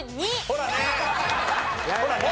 ほらね！